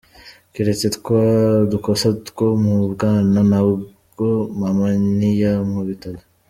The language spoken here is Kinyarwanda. Keretse twa dukosa two mu bwana, nabwo mama ntiyankubitaga.